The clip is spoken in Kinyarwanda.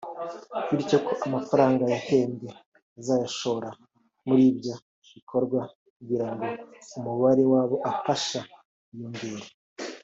bityo ko amafaranga yahembwe azayashora muri ibyo bikorwa kugira ngo umubare w’abo afasha wiyongere